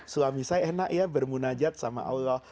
suami saya enak ya bermunajat sama allah